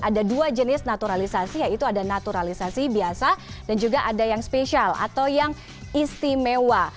ada dua jenis naturalisasi yaitu ada naturalisasi biasa dan juga ada yang spesial atau yang istimewa